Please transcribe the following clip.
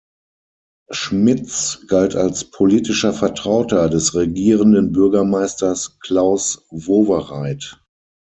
Schmitz galt als politischer Vertrauter des Regierenden Bürgermeisters Klaus Wowereit.